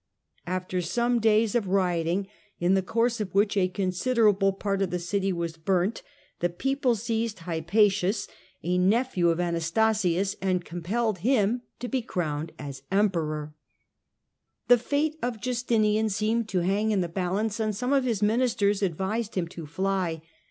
After some days of rioting, in the course of which a considerable part of the city was burnt, the people seized Hypatius, a 56 THE DAWN OF MEDIEVAL EUROPE nephew of Anastasius, and compelled him to be crowned as Emperor. The fate of Justinian seemed to hang in the balance, and some of his ministers advised him to fly.